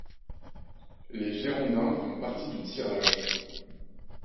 Les Girondins font partie du du tirage.